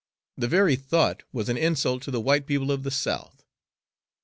The very thought was an insult to the white people of the South.